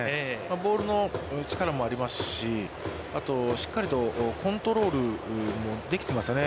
ボールの力もありますし、あとしっかりとコントロールもできてますよね。